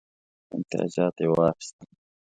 امتیازات یې واخیستل.